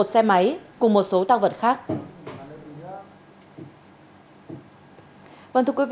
một xe máy cùng một số tăng vật khác